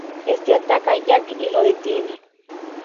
Éste ataca a Jack y lo detiene.